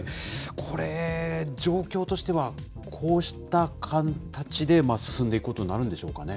これ、状況としてはこうした形で進んでいくことになるんでしょう